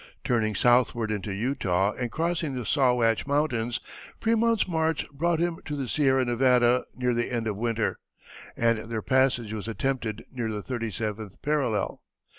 Turning southward into Utah and crossing the Sawatch Mountains, Frémont's march brought him to the Sierra Nevada near the end of winter, and their passage was attempted near the thirty seventh parallel.